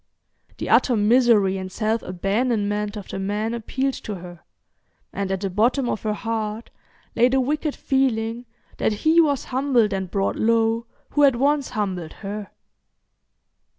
The utter misery and self abandonment of the man appealed to her, and at the bottom of her heart lay the wicked feeling that he was humbled and brought low who had once humbled her.